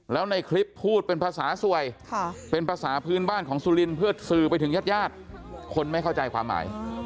แล้วในคลิปพูดเป็นภาษาสวยเป็นภาษาพื้นบ้านของสุรินทร์เพื่อสื่อไปถึงญาติญาติคนไม่เข้าใจความหมาย